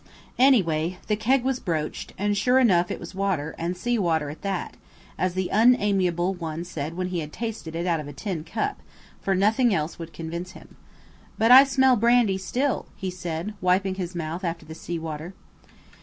Any way, the keg was broached, and sure enough it was water, and sea water at that, as the Unamiable One said when he had tasted it out of a tin cup, for nothing else would convince him. "But I smell brandy still," he said, wiping his mouth after the sea water.